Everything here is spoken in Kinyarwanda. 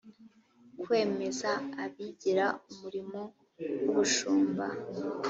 kwemeza abigira umurimo w ubushumba